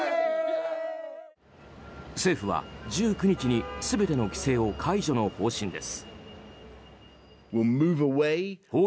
政府は１９日に全ての規制を解除の方針です。